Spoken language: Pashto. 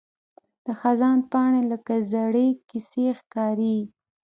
د خزان پاڼې لکه زړې کیسې ښکاري